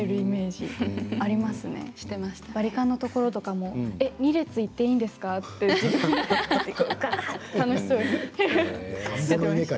やっぱりバリカンのところとかも２列いっていいですかって楽しそうに。